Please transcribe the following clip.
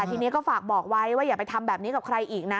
ทีนี้ก็ฝากบอกไว้ว่าอย่าไปทำแบบนี้กับใครอีกนะ